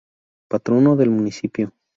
Patrono del Municipio.